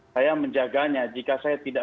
saya menjaganya jika saya tidak